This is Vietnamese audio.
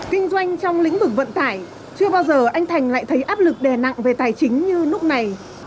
kinh doanh trong lĩnh vực vận tải chưa bao giờ anh thành lại thấy áp lực đè nặng về tài chính như lúc này